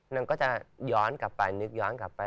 นางก็จะย้อนกลับไปนึกย้อนกลับไป